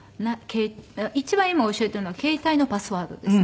一番今教えているのは携帯のパスワードですね。